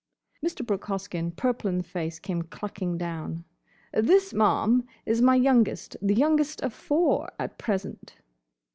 Mr. Brooke Hoskyn, purple in the face, came clucking down. "This, ma'am, is my youngest. The youngest of four—at present."